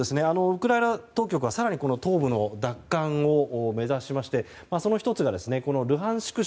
ウクライナ当局は更に東部の奪還を目指しましてその１つがルハンシク